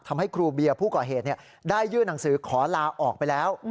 ทำให้ครูเบียร์ผู้ก่อเหตุได้ยื่นหนังสือขอลาออกไปแล้ว